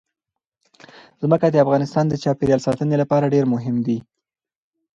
ځمکه د افغانستان د چاپیریال ساتنې لپاره ډېر مهم دي.